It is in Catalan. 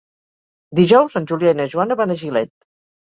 Dijous en Julià i na Joana van a Gilet.